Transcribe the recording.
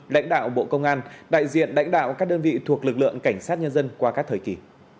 lãnh đạo bộ công an đại diện lãnh đạo các đơn vị thuộc lực lượng cảnh sát nhân dân qua các thời kỳ